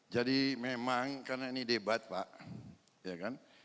jadi memang karena ini debat pak